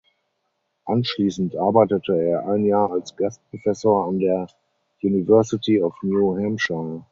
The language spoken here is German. Anschließend arbeitete er ein Jahr als Gastprofessor an der University of New Hampshire.